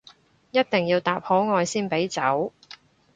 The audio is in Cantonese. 一定要答可愛先俾走